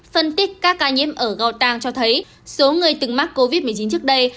phân tích các ca nhiễm ở gautang cho thấy số người từng mắc covid một mươi chín trước đây